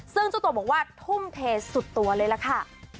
ซึ่งเจ้าตัวบอกว่าทุ่มเทสุดตัวเลยล่ะค่ะ